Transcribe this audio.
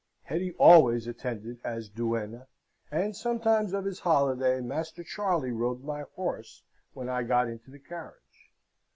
Hetty always attended as duenna, and sometimes of his holiday, Master Charley rode my horse when I got into the carriage.